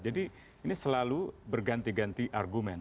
jadi ini selalu berganti ganti argumen